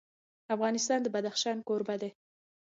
افغانستان د بدخشان کوربه دی.